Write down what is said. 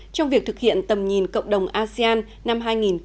trong việc thực hiện tầm nhìn cộng đồng asean năm hai nghìn hai mươi năm